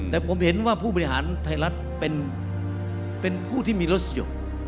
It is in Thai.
แต่ผมเห็นว่าผู้บริหารไทยรัฐเป็นผู้ที่มีรถเกี่ยว